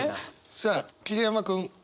さあ桐山君。